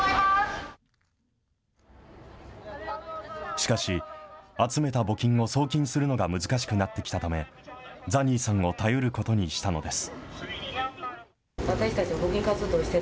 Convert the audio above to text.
しかし、集めた募金を送金するのが難しくなってきたため、ザニーさんを頼ることにしたのです。